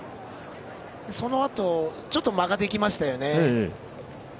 そのあとちょっと間ができましたよね。